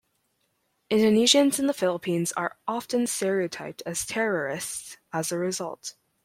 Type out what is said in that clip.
Indonesians in the Philippines are often stereotyped as terrorists as a result.